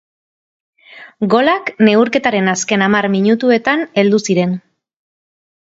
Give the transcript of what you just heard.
Golak neurketaren azken hamar minutuetan heldu ziren.